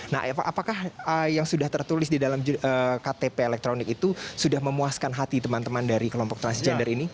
nah eva apakah yang sudah tertulis di dalam ktp elektronik itu sudah memuaskan hati teman teman dari kelompok transgender ini